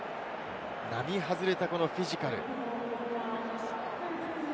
並外れたフィジカル。